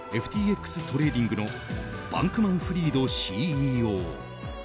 ＦＴＸトレーディングのバンクマン・フリードＣＥＯ。